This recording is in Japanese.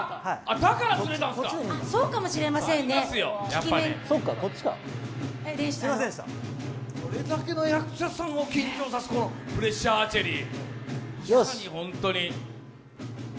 これだけの役者さんを緊張さす「プレッシャーアーチェリー」。